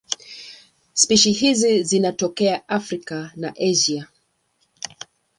Spishi hizi zinatokea Afrika na Asia.